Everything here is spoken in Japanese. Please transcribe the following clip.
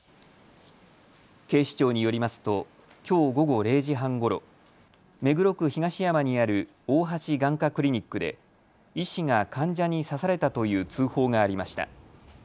警視庁によりますときょう午後０時半ごろ、目黒区東山にある大橋眼科クリニックで医師が患者に刺されたという通報がありました。